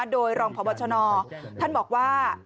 โดยรองพบชนท่านบอกว่า